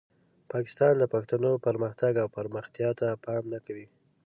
پاکستان د پښتنو پرمختګ او پرمختیا ته پام نه کوي.